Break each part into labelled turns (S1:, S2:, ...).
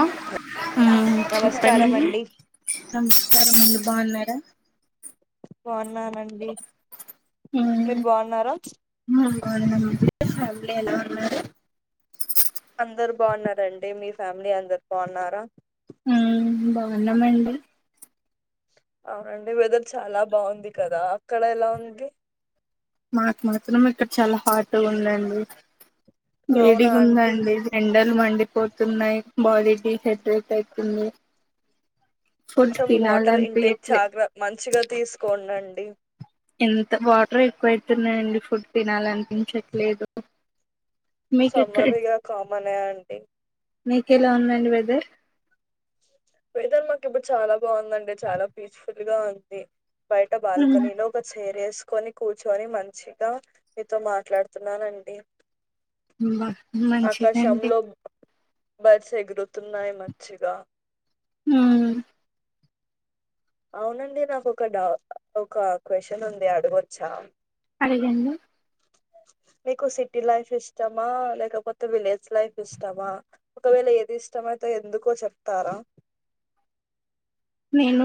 S1: ఆ ఊ చెప్పండి.
S2: నమస్కారం అండి
S1: నమస్కారమండి. బాగున్నారా
S2: బాన్ న్నానండి. మీరు బాగున్నారా
S1: ఇంట్లో ఎలా ఉన్నారు.
S2: అందరు బాగున్నరండి. మీ ఫ్యామిలీ అందరు బాగున్నారా.
S1: బాన్నమండి.
S2: అవునండి వెదర్ చాలా బాగుంది కదా అక్కడ ఎలా ఉంది
S1: మాకు మాత్రం ఇక్కడ చాలా హాట్ ఉందండి
S2: అవునా
S1: వేడిగుంద
S2: అంటీ
S1: అండి ఎండలు మన్ పోతున్నాయి బాడీ కి హెట్ హీట్ అయితుంది
S2: కొంచెం వాటర్ ఇంటేక్ చాల మంచిగా తీసుకోండి అండి డి
S1: ఎంత వాటర్ ఎక్కువవుతున్నాయండి ఫుడ్ తినాలనిపించట్లేదు మీకు ఎక్కడ
S2: సమ్మర్గా కామనే అండి
S1: మీకేలా ఉందండి వెదర్
S2: వెదర్ మాకు ఇప్పుడు చాలా బాగుందండి చాలా పీస్ఫుల్ గా ఉంది బయట
S1: ఉ
S2: బల్కనీ లో ఒక చేరేస్ కొని కూర్చొని మంచిగా మీతో మాట్లాడుతున్నానండి
S1: అబ్బా మంచిదండి
S2: బస్ ఎగురుతున్నాయి మంచిగా
S1: హ్మ్మ్
S2: అవునండి నాకు ఒక డ ఒక క్వశ్చన్ ఉంది అడగొచ్చా
S1: అడగండి
S2: మీకు సిటీ లైఫ్ ఇష్టమా లేకపోతే విలేజ్ లైఫ్ ఇష్టమా ఒకవేళ ఏది ఇష్టమో అయితే ఎందుకో చెప్తారా.
S1: నేను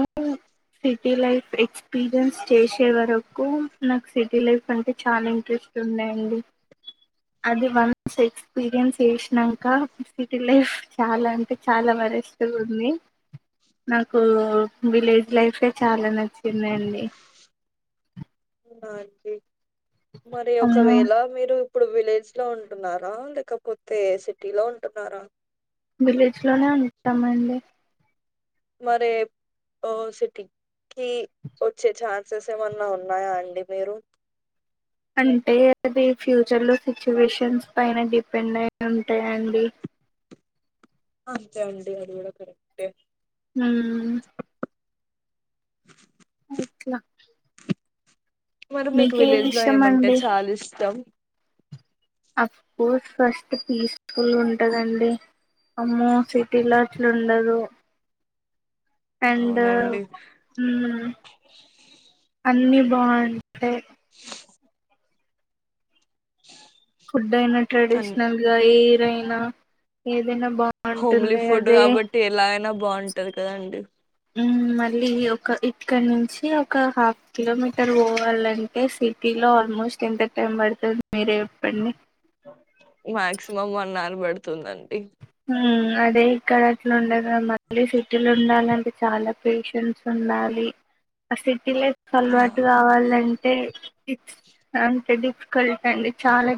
S1: సిటీ లైఫ్ ఎక్స్పీరియన్స్ చేసే వరకు నాకు సిటీ లైఫ్ అంటే చాలా ఇంట్రెస్ట్ ఉందండి అది వన్స్ ఎక్స్పీరియన్స్ చేసినంక సిటీ లైఫ్ చాలా అంటే చాలా వర్రెస్ట్గా ఉంది నాకు నాకు విలేజ్ లైఫే చాలా నచ్చిందిండి
S2: ఆంటీ మరి
S1: అమ్మో
S2: ఒకవేళ మీరు ఇప్పుడు విలేజ్ లో ఉంటున్నారా లేకపోతే సిటీ లో ఉంటున్నారా
S1: విలేజ్ లోనే ఉంటామండి
S2: మరి ఓ సిటీకి వోచ్చే ఛాన్సెస్ ఏమన్నా ఉన్నాయా అండి మీరు.
S1: అంటే అది ఫ్యూచర్ లో సిచ్యువేషన్స్ పైన డిపెండ్ అయి ఉంటాయండి.
S2: అంతే అండి అది కూడా కరెక్టే గా
S1: హ్మ్మ్
S2: మరి మీకు
S1: మీకేది
S2: విలేజ్ లో
S1: ఇష్టం
S2: ఏమంటే
S1: అండి
S2: చాలా ఇష్టం
S1: అఫ్ కోర్స్ ఫస్ట్ పీస్ఫుల్ ఉంటదండి అమ్మో సిటీ లో అట్లా ఉండదు. ఆండ్
S2: అవునండి
S1: హ్మ్మ్ అన్ని బాగున్ అ ఫుడ్ అయినా
S2: అన్
S1: ట్రెడిషనల్ గా ఏ నైనా ఏ
S2: హోమ్లీ ఫుడ్ కాబట్టి ఎలాగైనా బాగుంటది కదండి
S1: మళ్ళీ ఒక ఇక్కడ నుంచి ఒక హాఫ్ కిలోమీటర్ పోవాలంటే సిటీలో ఆల్మోస్ట్ ఎంత టైం పడుతుంది మీరే ఎప్పండి
S2: మాక్సిమం వన్ అవర్ పడుతుందండి
S1: అదే ఇక్కడ అట్లా ఉండ కదా మళ్ళీ సిటీలో ఉండాలంటే చాలా పేషెన్ట్స్ ఉండాలి ఆ సి లేదు అలవాటు కావాలంటే స్ అంట డిఫ్కల్ల్ అండి చాలా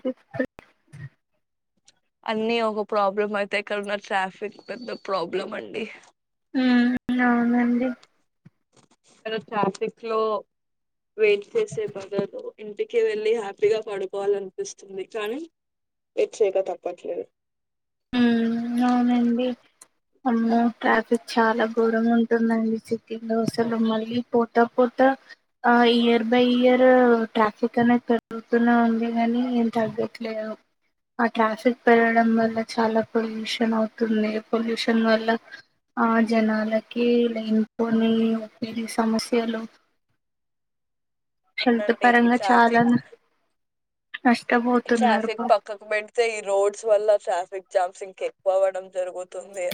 S2: అన్నిీ ఒక ప్రాబ్లం అయితే ఎక్కడన్నా ట్రాఫిక్ పెద్ద ప్రాబ్లం అండి
S1: అవునండి
S2: ట్రాఫిక్ లో వెయిట్ చేసే బదలు ఇంటికి వెళ్లిి హ్యాపీగా పడుకోవాల అనిపిస్తుంది కానీ వెయిట్ చేయక తప్పట్లేదు
S1: అవునండి అమ్మ ట్రాఫిక్ చాలా దూరం ఉంటుందండి సిటీలో అసలు మళ్ళీ పోత పోతా ఆ ఇయర్ బై ఇయర్ ట్రాఫిక్ అనేది పెరుగుతూనే ఉంది కాగానీ ఏం తగ్గట్లేదు ఆ ట్రాఫిక్ పెరగడం వల్ల చాలా పొల్యూషన్ అవుతుంది పొల్యూషన్ వల్ల ఆ జనాలకి లైన్ పోని పని సమస్యలు శల్త
S2: అవునండి
S1: పరంగా చాలా నష్టపోతున్నారు
S2: ట్రాఫక్
S1: పాపం
S2: పక్కకు పెడ్ తే ఈ రోడ్స్ వల్ల ట్రాఫిక్ జామ్సింగ్ కే పోవడం మ్ జరుగుతుంది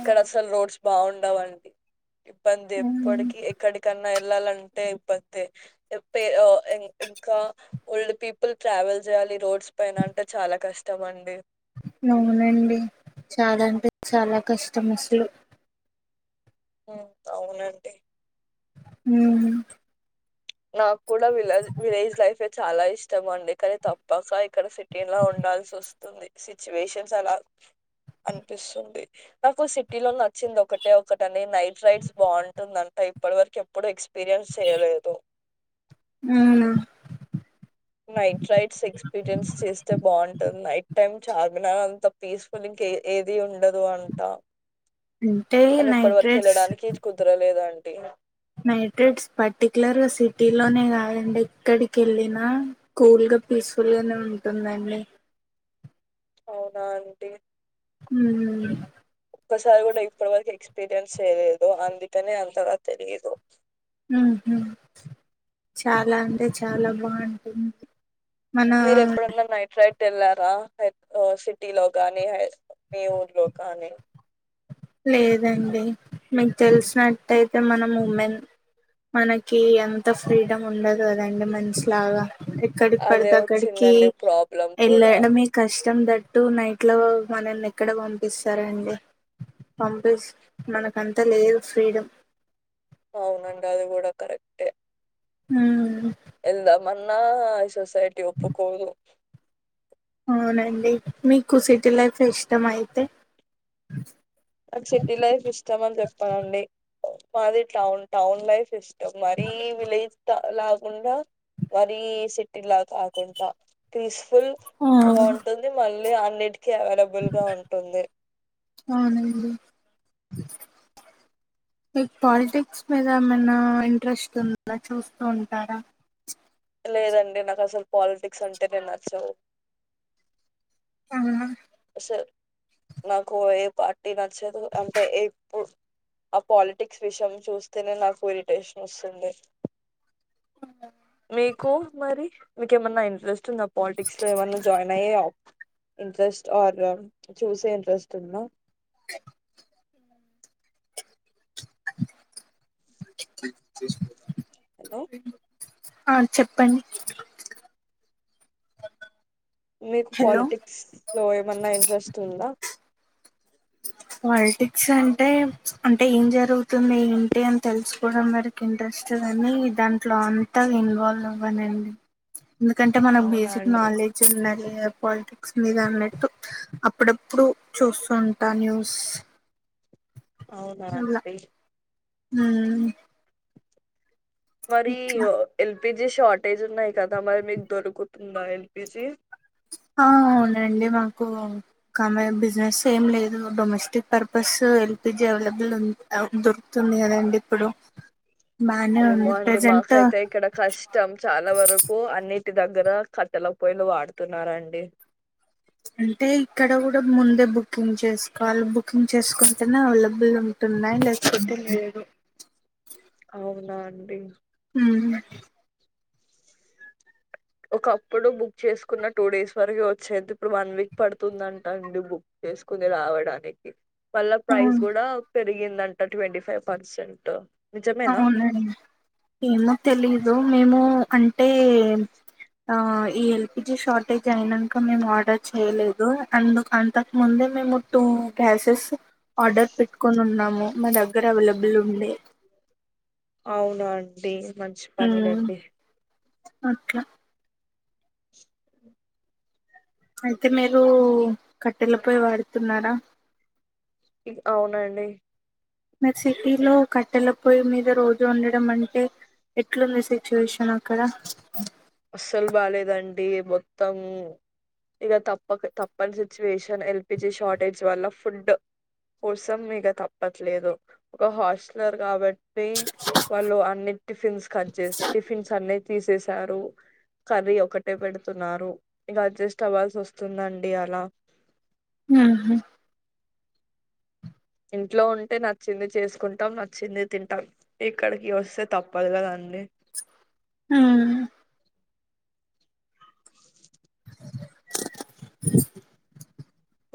S2: ఇక్కడ ఫుల్ రోడ్స్ బాగుండవంటి ఇబ్బంది ఎప్పటికి
S1: మ్మ్
S2: ఎక్కడికన్నా పిల్లలంటే ఇపోతే ఇంకా ఓల్డ్ పిపు ఇప్పుల్ ట్రావెల్ చేయాలి రోడ్స్ పైన అంటే చాలా కష్టం అండి
S1: అవునండి చాలా అంటే చాలా కష్టటమస్లు
S2: అవునండి
S1: హ
S2: నాకు ఇష్ట బండి కానీ తప్పక ఇక్కడ సిటీ లో ఉండాల్సి వస్తుంది సిచ్యువేషన్స్ అలా అనిపిస్తుంది నాకు సిటీ లో నచ్చింది ఒకటే ఒకటని నైట్ రైడ్స్ బాగుంటుందంట ఇప్పటి వరకు ఎప్పుడు ఎక్స్పీ ఎక్స్పీరియన్స్ చేయలేదు
S1: అవునా
S2: నైట్ రైడ్స్ ఎక్స్పీరియన్స్ చేస్తే బాగుంటది నైట్ టైమ్ చార్మినార్ అంతా పీస్ఫుల్ ఇంకా ఏది ఉండదు అంటం
S1: అంటే
S2: కానీ ఇప్పటి వరకి
S1: నైట్రేట్స్
S2: వెళ్ళడానికి ఇది కుదరలేదుండి ఇగ
S1: నైట్రెడ్స్ పర్టికు్యలర్గా సిటీలోనే కాదండి ఇక్కడికి వెళ్ళినా కూల్గా పీస్ఫుల్గానే ఉంటుందండి
S2: అవునా అండి
S1: హ
S2: ఒక్కసారి కూడా ఇప్పటి వరకు ఎక్స్పీరియన్స్ చేయలేదు అందుకనే అంతగా తెలియదు
S1: ఉ చాలా అంటే చాలా బాగుంటుంది మన
S2: మీరు ఎప్పుడున్న నైట్ రైడ్ తెళ్లారా సిటీలో గానీ మీ ఊర్లో కానీ
S1: లేదండి మీకు తెలిసినట్టయితే మనం ఉమెన్ మనకి ఎంత ఫ్రీడం ఉండదు కదండి మనిషిలా గా ఎక్కడికి
S2: అదే
S1: పడతే అక్కడికి
S2: వచ్చిందండి ప్రాబ్లం కూడా
S1: ఎల్లడమే కష్టం నిం దట్టు నైట్ లో మనల్ని ఎక్కడ పంపిస్తారండి పంపిస్ మనకంతా లేదు ఫ్రీడం
S2: అవునండి అది కూడా కరెక్టే
S1: హు
S2: ఎంద మొన్న ఇ సొసైటీ ఒప్పుకోదు
S1: అవునండి మీకు సిటీ లైఫ్ ఇష్టమా అయితే
S2: నాకు సిటీ లైఫ్ ఇష్టం అని చెప్పనండి మాది టౌన్ టౌన్ లైఫ్ ఇష్ట మరిీ విలేజ్ త లాకుండా మరి సిటి లా కాకుండా తీ ఫుల్
S1: ఆ
S2: గుంటుంది మళ్ళీ అన్నిటికీ అవైలబుల్ గా ఉంటుంది
S1: క్ పాలిటిక్స్ మీద ఏమైనా ఇంట్రెస్ట్ ఉందా చూస్తూ ఉంటారా
S2: లేదండి నాకు అసలు పాలిటిక్స్ అంటేనే నచ్చవు
S1: ఆ
S2: అసలు నాకు ఏ పార్టీ నచ్చది అంటే ఎప్పుడు ఆ పాలిటిక్స్ విషయం చూస్తేనే నాకు ఇరిటేషన్ వస్తుంది మీకు మరి మీకేమన్నా ఇంట్రెస్ట్ ఉంద పాలిటిక్స్ లో ఏమైన్నా జాయిన్ అయ్యే ఇంట్రెస్ట్ ఆర్ చూసే ఇంట్రెస్ట్ ఉందా హలో
S1: ఆ చెప్పండి
S2: మీకు
S1: హలో
S2: పాలిటిక్స్ లో ఏమన్నా ఇంట్రెస్ట్ ఉందా
S1: పాలిటిక్స్ అంటే అంటే ఏం జరుగుతుంది ఎంటి అని తెలుసుకోవడం వరికి ఇంట్రెస్ట్ కానీ దాంట్లో అంత ఇన్వాల్వ్ అవ్వనండి ఎందుకంటే మనకు
S2: అవునా
S1: బేసిక్
S2: అండి
S1: నాలెడ్జ్ ఉన్నది పాలిటిక్స్ మీద అన్నట్టు అప్పుడప్పుడు చూస్తుం టా న్యూస్
S2: అవునా అండి
S1: హు
S2: మరి యె ఎల్ ఎల్పిజీ షార్టేజ్ ఉన్నాయి కదా మరి మీకు దొరుకుతుందా ఎల్పిజీ
S1: ఆ అవునండి మాకు కామె బిజినెస్ ఏం లేదు డొమెస్టిక్ పర్పస్ ఎల్పిజీ అవైలబుల్ ఉన్ దొరుకుతుంది కదండి ఇప్పుడు బానే
S2: ఏమో
S1: ఉంది
S2: అండి
S1: ప్రజెంట్
S2: మాకైతే ఇక్కడ కష్టం చాలా వరకు అన్ని ఇంటి దగ్గర కట్టెల పొయిలు వాడుతున్నరండి
S1: అంటే ఇక్కడ కూడా ముందే బుకింగ్ చేసుకోవాలి బుకింగ్ చేసుకుంటేనే అవైలబుల్ ఉంటున్నాయి లేకపోతే లేదు
S2: అవునా అండి
S1: ఉ
S2: ఒకప్పుడు బుక్ చేసుకున్న టూ డేస్ వరకి వచ్చేది ఇప్పుడు వన్ వీక్ పడుతుందంటండి బుక్ చేసుకుంది రావడానికి మళ్ళ ప్రైస్
S1: అవును
S2: కూడా పెరిగిందంట ట్వంటీ ఫైవ్ పర్సెంట్ నిజమేనా
S1: అవునండి, ఏమో తెలీదు మేము అంటే ఆ ఈ ఎల్పిజి షార్టేజ్ అయినాంక మేము ఆర్డర్ చేయలేదు. అందుకు అంతక్ ముందే మేము టూ గ్యాసెస్ ఆర్డర్ పెట్కొని ఉన్నాము మా దగ్గర అవెలబుల్ ఉండే
S2: అవునా అండి. మంచి పని లేండి.
S1: ఓకే అయితే మీరు కట్టెల పొయ్ వాడుతున్నారా
S2: ఇన్ అవునండి.
S1: మర్ సిటీలో కట్టెల పొయ్యి మీద రోజు ఉండ నం అంటే ఎట్లుంది సిచ్యువేషన్ అక్కడ
S2: అస్సలు బాలేదండి మొత్తం, ఇగ తప్పక్ తప్పని సిచ్యువేషన్ ఎల్పిజి షార్టేజ్ వల్ల ఫుడ్, కోసం ఇక తప్పట్లేదు ఒక హాస్సలర్ కాబ ట్టి వాళ్ళు అన్ని టిఫిన్స్ కంజేస్ టిఫిన్స్ అన్ని తీసేసారు కర్రీ ఒకటే పెడుతున్నారు, ఇంక అడ్జస్ట్ అవ్వాల్సి వస్తుందండి అలా
S1: ఆహ
S2: ఇంట్లో ఉంటే నచ్చింది చేసుకుంటాం నచ్చింది తింటాం ఇక్కడికి వస్సే తప్పదు కదండి.
S1: హు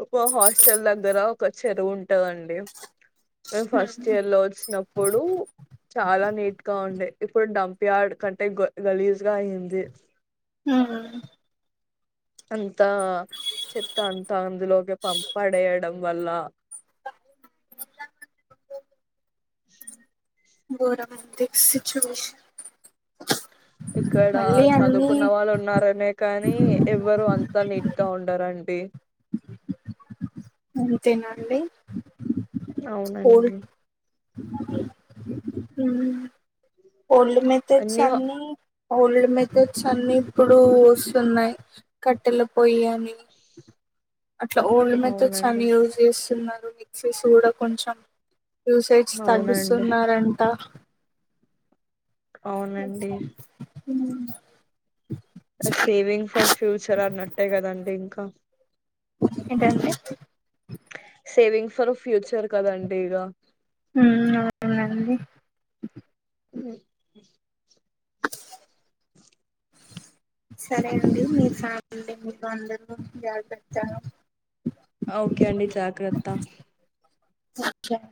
S2: ఒకొ హస్టల్ దగ్గరా క చెరువ్ ఉంటందండి. మేమ్ ఫస్ట్ ఇయర్ లో వచ్చినప్పుడు చాలా నీట్ గా ఉండే ఇప్పుడు డంపియార్డ్ కంటే గు గలీజుగా అయ్యింది.
S1: హు
S2: అంత చెత్త అంతా అందులోకి పంపడేయడం వల్ల
S1: ఇ
S2: అ
S1: గోరం తిక్స్ సిచ్చువేషన్
S2: ఇక్కడ చదువుకున్న వాళ్ళు ఉన్నారనే కానీ ఎవ్వరు అంతా నీట్గా ఉండరండి.
S1: అంతేనండి.
S2: అవునండి
S1: హు ఒల్ మేథడ్స్
S2: అన్ని హ-
S1: అన్నీ ఓల్డ్ మెథడ్స్ అన్ని ఇప్పుడు వస్తున్నాయి కట్టెల పొయ్యి అని అట్లా ఓల్డ్ మెథడ్స్
S2: అవునండి
S1: అన్ని యూజ్ చేస్తున్నరు మిక్సీస్ కూడా కొంచెం యూసేజ్
S2: అవునండి
S1: తగ్గిస్తున్నారంట
S2: అవునండి
S1: ఉ
S2: సేవింగ్ ఫర్ ఫ్యూచర్ అన్నట్టే కదండి ఇంకా
S1: ఏంటండి
S2: సేవింగ్స్ ఫర్ ఫ్యూచర్ కదండి ఇక
S1: ఉ అవునండి
S2: అ
S1: సరే అండి మీ ఫ్యామిలీ మీరు అందరూ జాగ్రత్త
S2: ఓకే అండి జాగ్రత్త
S1: సచ్చా [inaudible]